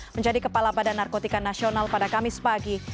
menjadi kepala badan narkotika nasional pada kamis pagi